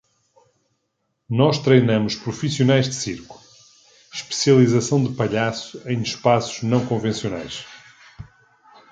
Nós treinamos profissionais de circo: especialização de palhaço em espaços não convencionais.